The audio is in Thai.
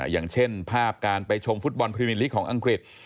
อย่างเช่นภาพการไปชมฟุตบอลพรีมิลิกของอังกฤษ